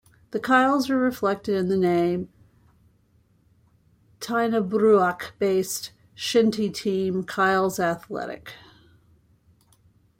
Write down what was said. The Kyles are reflected in the name of Tighnabruaich-based Shinty team Kyles Athletic.